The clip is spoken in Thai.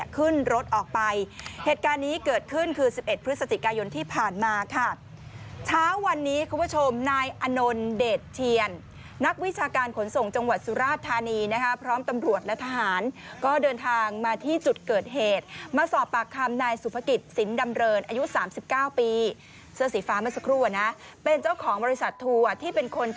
ขึ้นรถออกไปเหตุการณ์นี้เกิดขึ้นคือ๑๑พฤศจิกายนที่ผ่านมาค่ะเช้าวันนี้คุณผู้ชมนายอนนท์เดชเทียนนักวิชาการขนส่งจังหวัดสุราชธานีนะคะพร้อมตำรวจและทหารก็เดินทางมาที่จุดเกิดเหตุมาสอบปากคำนายสุภกิจสินดำเรินอายุ๓๙ปีเสื้อสีฟ้าเมื่อสักครู่ที่เป็นคน